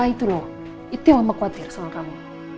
itu loh itu yang membuatku khawatir soal kamu